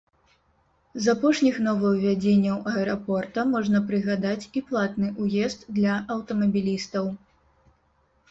З апошніх новаўвядзенняў аэрапорта можна прыгадаць і платны ўезд для аўтамабілістаў.